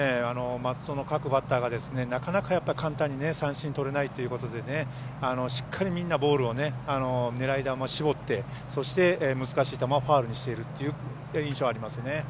松戸の各バッターがなかなか簡単に三振をとれないということでしっかりみんなボールを狙い球を絞ってそして、難しい球をファウルにしているという印象がありますね。